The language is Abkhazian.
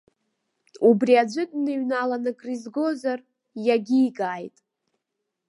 Убри аӡәы дныҩналан акры изгозар, иагьигааит.